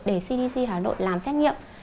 để cdc hà nội làm xét nghiệm